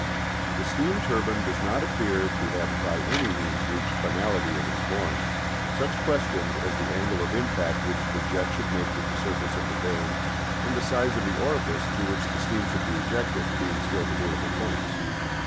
The steam turbine does not appear to have by any means reached finality in its form, such questions as the angle of impact which the jet should make with the surface of the vane, and the size of the orifice through which the steam should be ejected, being still debatable points.